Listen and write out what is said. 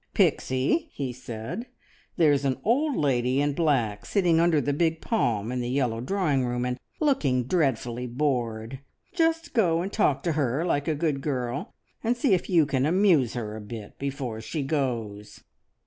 "Pixie," he said, "there's an old lady in black sitting under the big palm in the yellow drawing room and looking dreadfully bored! Just go and talk to her like a good girl, and see if you can amuse her a little bit before she goes."